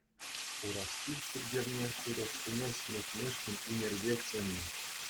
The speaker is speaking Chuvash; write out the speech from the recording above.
Ураскильт чиркӗвне турӑшсене ҫӗнетмешкӗн ӳнерҫӗ чӗннӗ.